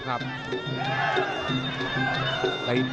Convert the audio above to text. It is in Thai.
ครับครับ